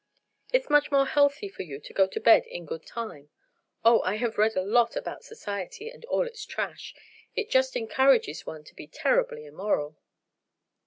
It's much more healthy for you to go to bed in good time. Oh, I have read a lot about society and all its trash. It just encourages one to be terribly immoral."